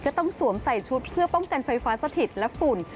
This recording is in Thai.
ต้องสวมใส่ชุดเพื่อป้องกันไฟฟ้าสถิตและฝุ่น